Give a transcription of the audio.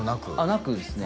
なくですね